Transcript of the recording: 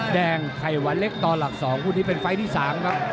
แดงไขวะเล็กตอนหลักสองคู่นี้เป็นไฟท์ที่สามครับ